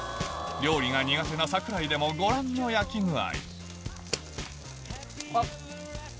料理が苦手な櫻井でもご覧の焼き具合あっ！